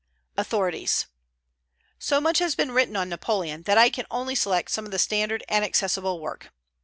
AUTHORITIES. So much has been written on Napoleon, that I can only select some of the standard and accessible works.